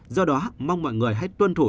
do đó mong mọi người hãy tuân thủ